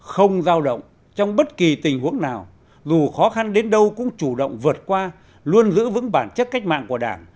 không giao động trong bất kỳ tình huống nào dù khó khăn đến đâu cũng chủ động vượt qua luôn giữ vững bản chất cách mạng của đảng